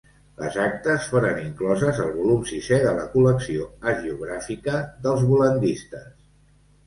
Les actes foren incloses al volum sisè de la col·lecció hagiogràfica dels bol·landistes.